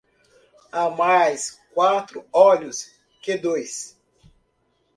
Há mais quatro olhos que dois.